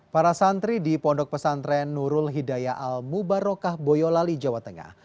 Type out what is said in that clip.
para santri di pondok pesantren nurul hidayah al mubarokah boyolali jawa tengah